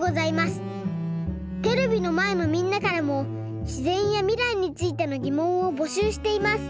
テレビのまえのみんなからもしぜんやみらいについてのぎもんをぼしゅうしています。